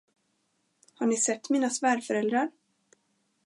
Har ni sett mina svärföräldrar?